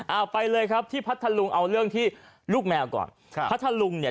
เอาไปเลยครับที่พัทธลุงเอาเรื่องที่ลูกแมวก่อนครับพัทธลุงเนี่ย